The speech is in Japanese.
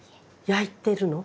焼いてるの？